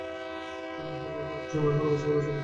হাজার হউক, একসময়ে উহার অবস্থা ভালো ছিল।